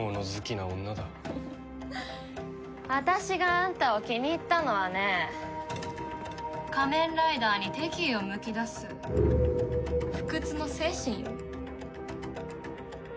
私があんたを気に入ったのはね仮面ライダーに敵意をむき出す不屈の精神よ。